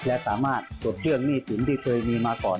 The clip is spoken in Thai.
และสามารถตรวจเครื่องหนี้สินที่เคยมีมาก่อน